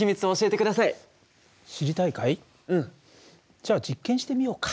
じゃあ実験してみようか。